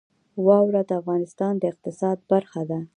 واوره د افغانستان د اقتصاد برخه ده.